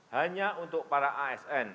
hanya untuk para asn